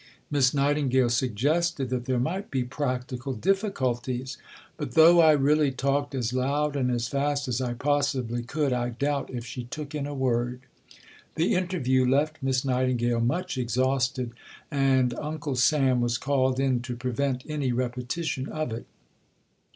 '" Miss Nightingale suggested that there might be practical difficulties; "but though I really talked as loud and as fast as I possibly could, I doubt if she took in a word." The interview left Miss Nightingale much exhausted, and Uncle Sam was called in to prevent any repetition of it.